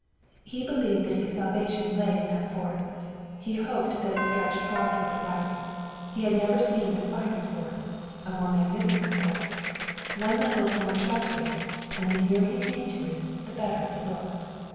He believed that his salvation lay in that forest. He hoped that it stretched far toward the right. He had never seen a finer forest, a more magnificent forest, one that looked more sheltering, and the nearer he came to it the better it looked.